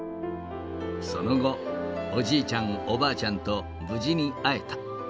その後、おじいちゃん、おばあちゃんと無事に会えた。